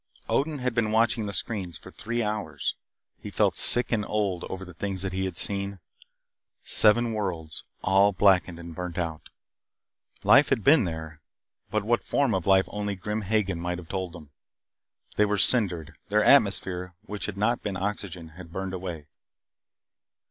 Odin had been watching the screens for three hours. He felt sick and old over the things that he had seen. Seven worlds all blackened and burned out. Life had been there, but what form of life only Grim Hagen might have told them. They were cindered their atmosphere, which had not been oxygen, had burned away.